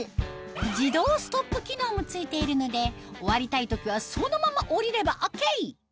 自動ストップ機能も付いているので終わりたい時はそのまま降りればＯＫ！